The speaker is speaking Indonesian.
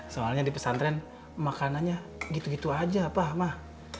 soalnya di pesantren makanannya gitu gitu aja pak emak